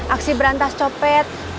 aksi berantas copet